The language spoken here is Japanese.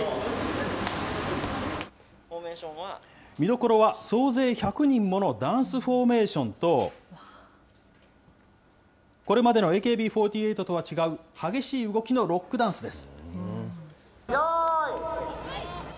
見どころは、総勢１００人ものダンスフォーメーションと、これまでのＡＫＢ４８とは違う、激しい動きのロックダンスです。